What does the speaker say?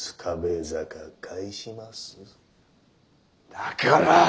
だからッ！